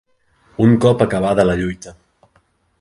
Un cop acabada la lluita